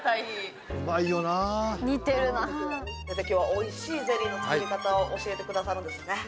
先生、今日はおいしいゼリーの作り方を教えてくださるんですよね。